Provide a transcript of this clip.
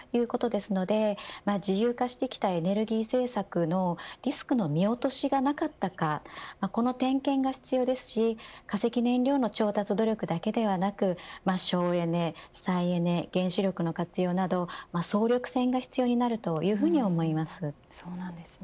ですので、自由化してきたエネルギー政策のリスクの見落としがなかったかこの点検が必要ですし化石燃料の調達努力だけではなく省エネ、再エネ原子力の活用など総力戦が必要になるというふうに思います。